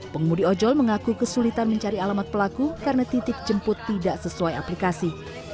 pengumudi ojol mengaku kesulitan mencari alamat pelaku karena titik jemput tidak sesuai aplikasi